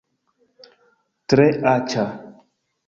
Tre aĉa